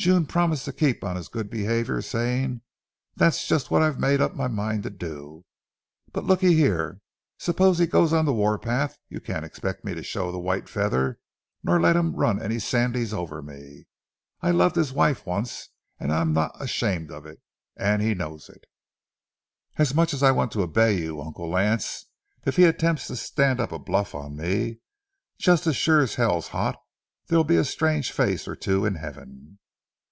June promised to keep on his good behavior, saying: "That's just what I've made up my mind to do. But look'ee here: Suppose he goes on the war path, you can't expect me to show the white feather, nor let him run any sandys over me. I loved his wife once and am not ashamed of it, and he knows it. And much as I want to obey you, Uncle Lance, if he attempts to stand up a bluff on me, just as sure as hell's hot there'll be a strange face or two in heaven."